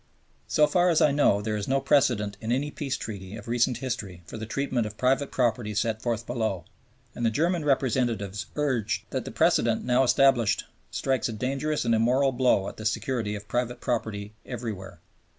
So far as I know, there is no precedent in any peace treaty of recent history for the treatment of private property set forth below, and the German representatives urged that the precedent now established strikes a dangerous and immoral blow at the security of private property everywhere.